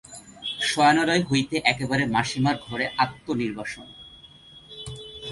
শয়নালয় হইতে একেবারে মাসিমার ঘরে আত্মনির্বাসন!